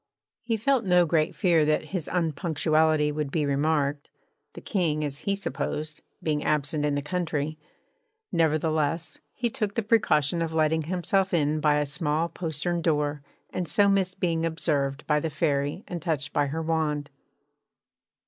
He felt no great fear that his unpunctuality would be remarked, the King (as he supposed) being absent in the country; nevertheless he took the precaution of letting himself in by a small postern door, and so missed being observed by the Fairy and touched by her wand.